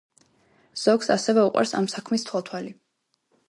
ზოგს ასევე უყვარს ამ საქმის თვალთვალი.